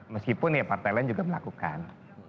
meskipun ya partai lain juga melakukan